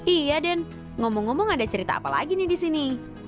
iya den ngomong ngomong ada cerita apa lagi nih di sini